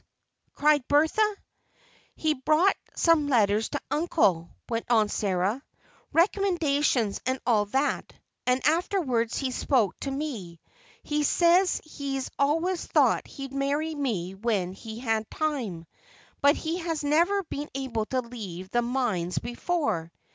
_" cried Bertha. "He brought some letters to uncle," went on Sarah, "recommendations, and all that, and afterwards he spoke to me. He says he's always thought he'd marry me when he had time, but he has never been able to leave the mines before.